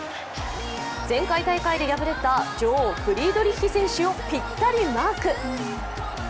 前回大会で敗れた女王フリードリッヒ選手をぴったりマーク。